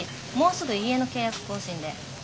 もうすぐ家の契約更新で。